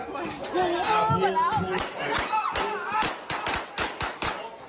โค้กปล่อยด้วยครับโค้กปล่อยด้วยครับ